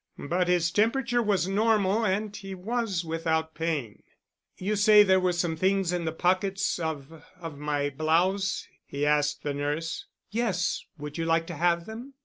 But his temperature was normal and he was without pain. "You say there were some things in the pockets of—of my blouse," he asked of the nurse. "Yes, would you like to have them?"